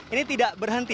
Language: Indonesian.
ini tidak berhenti